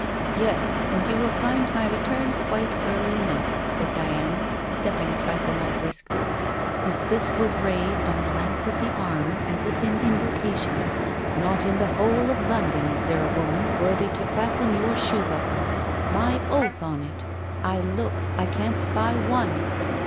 'Yes, and you will find my return quite early enough,' said Diana, stepping a trifle more briskly. His fist was raised on the length of the arm, as if in invocation. 'Not in the whole of London is there a woman worthy to fasten your shoe buckles! My oath on it! I look; I can't spy one.'